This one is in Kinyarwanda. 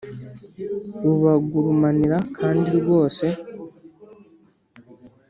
bubagurumanira kandi rwose